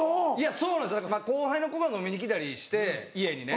そうなんですだから後輩の子が飲みに来たりして家にね。